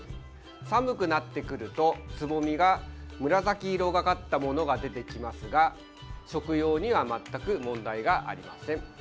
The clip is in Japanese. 寒くなってくるとつぼみが紫色がかったものが出てきますが食用には全く問題がありません。